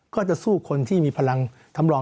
ก็จะสู้คนที่มีพลังทำรอง